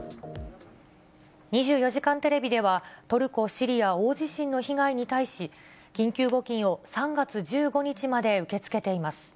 ２４時間テレビでは、トルコ・シリア大地震の被害に対し、緊急募金を３月１５日まで受け付けています。